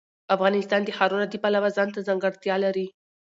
افغانستان د ښارونه د پلوه ځانته ځانګړتیا لري.